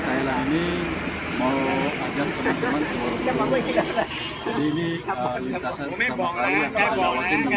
thailand ini mau ajak teman teman kewalaupun ini lintasan pertama kali yang pernah lawatin umat